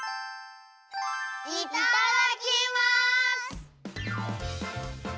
いただきます！